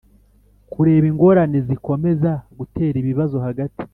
- kureba ingorane zikomeza gutera ibibazo hagati